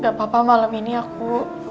gak apa apa malam ini aku